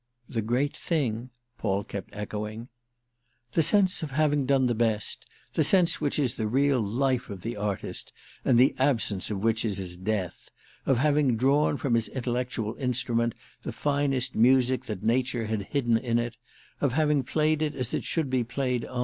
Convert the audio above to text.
"The great thing?" Paul kept echoing. "The sense of having done the best—the sense which is the real life of the artist and the absence of which is his death, of having drawn from his intellectual instrument the finest music that nature had hidden in it, of having played it as it should be played.